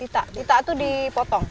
titak itu dipotong